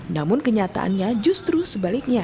namun kenyataannya justru sebaliknya